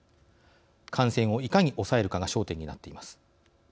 感染をいかに抑えるかが焦点になっています。